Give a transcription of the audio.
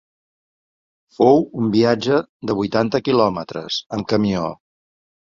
Fou un viatge de vuitanta quilòmetres, amb camió